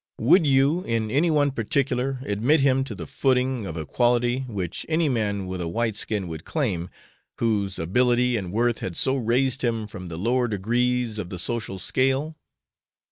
would you, in any one particular, admit him to the footing of equality which any man with a white skin would claim, whose ability and worth had so raised him from the lower degrees of the social scale.